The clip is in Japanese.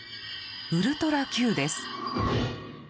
「ウルトラＱ」です。